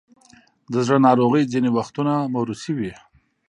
د زړه ناروغۍ ځینې وختونه موروثي وي.